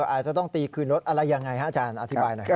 อาจจะต้องตีคืนรถอะไรยังไงฮะอาจารย์อธิบายหน่อยครับ